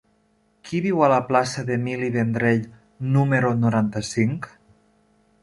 Qui viu a la plaça d'Emili Vendrell número noranta-cinc?